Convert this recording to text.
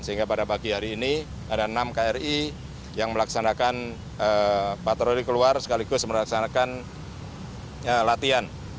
sehingga pada pagi hari ini ada enam kri yang melaksanakan patroli keluar sekaligus melaksanakan latihan